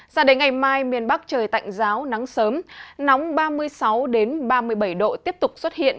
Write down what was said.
sao đến ngày mai miền bắc trời tạnh giáo nắng sớm nóng ba mươi sáu ba mươi bảy độ tiếp tục xuất hiện